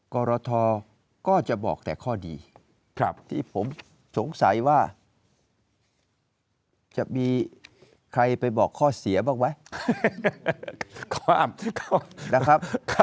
กรทก็จะบอกแต่ข้อดีที่ผมสงสัยว่าจะมีใครไปบอกข้อเสียบ้างไหมข้ออับนะครับ